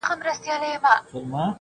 ما نه خو دې دو کلمو لاره ورکه کړې ده